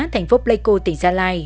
thành phố pleiku tỉnh gia lai